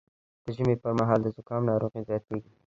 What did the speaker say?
د ژمي پر مهال د زکام ناروغي زیاتېږي